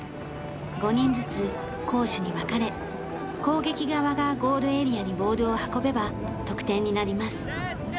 ５人ずつ攻守に分かれ攻撃側がゴールエリアにボールを運べば得点になります。